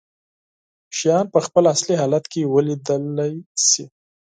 شيان په خپل اصلي حالت کې ولیدلی شي.